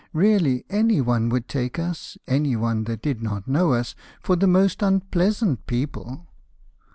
Really any one would take us (Any one that did not know us) For the most unpleasant people!'